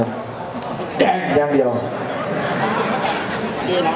บรรยายครับยางเดียว